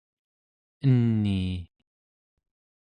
enii